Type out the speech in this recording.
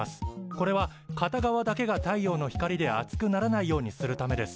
これは片側だけが太陽の光で熱くならないようにするためです。